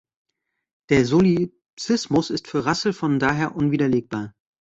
Der Solipsismus ist für Russell von daher unwiderlegbar.